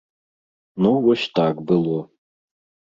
Ну вось так было.